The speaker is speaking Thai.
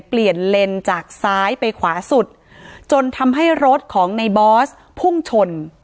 เลนจากซ้ายไปขวาสุดจนทำให้รถของในบอสพุ่งชน